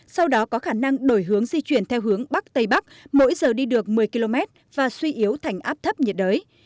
sau đó có khả năng đổi hướng di chuyển theo hướng bắc tây bắc mỗi giờ đi được một mươi km và suy yếu thành áp thấp nhiệt đới